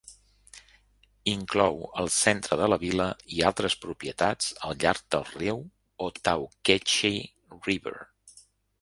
Inclou el centre de la vila i altres propietats al llarg del riu Ottauquechee River.